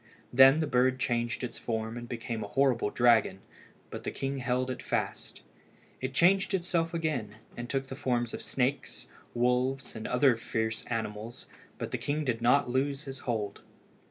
Then the bird changed its form and became a horrible dragon, but the king held it fast. It changed itself again, and took the forms of snakes, wolves, and other fierce animals, but the king did not lose his hold.